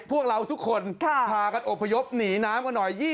พวกเราทุกคนพากันอบพยพหนีน้ำกันหน่อย